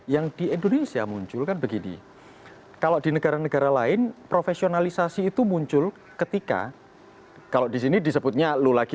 yang di indonesia muncul kan begini kalau di negara negara lain profesionalisasi itu muncul ketika kalau di sini disebutnya lo lagi